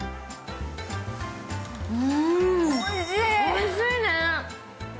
おいしい。